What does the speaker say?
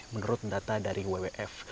menurut data dari wwf